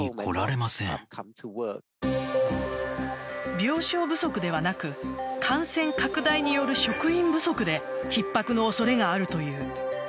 病床不足ではなく感染拡大による職員不足でひっ迫の恐れがあるという。